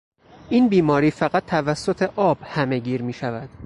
این بیماری فقط توسط آب همهگیر میشود.